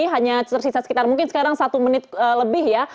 hanya tersisa sekitar mungkin sekarang satu menit lebih ya